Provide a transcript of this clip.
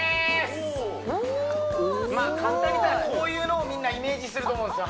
おおお簡単に言ったらこういうのをみんなイメージすると思うんですよ